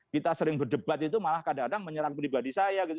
kita sering berdebat itu malah kadang kadang menyerang pribadi saya gitu